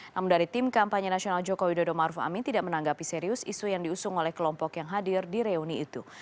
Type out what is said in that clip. namun dari tim kampanye nasional jokowi dodo maruf amin tidak menanggapi serius isu yang diusung oleh kelompok yang hadir di reuni itu